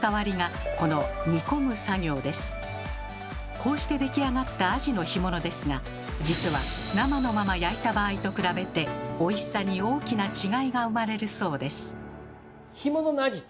こうして出来上がったアジの干物ですが実は生のまま焼いた場合と比べて美味しさに大きな違いが生まれるそうです。